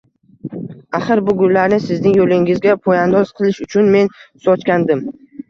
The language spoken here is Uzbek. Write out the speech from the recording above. Axir bu gullarni sizning yo`lingizga poyandoz qilish uchun men sochgandim